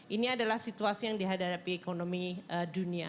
ini adalah situasi yang dihadapi ekonomi dunia